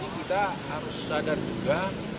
jadi kita harus sadar juga